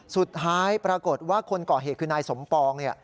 สุดท้ายปรากฏว่าคนก่อเหตุคือนายสมปอง